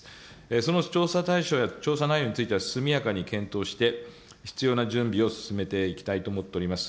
その調査対象や調査内容については、速やかに検討して、必要な準備を進めていきたいと思っております。